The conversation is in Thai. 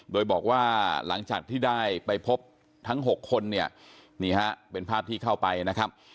โดยบอกว่าหลังจากที่ได้ไปพบทั้ง๖คนเนี่ยนี่ฮะเป็นภาพที่เข้าไปนะครับ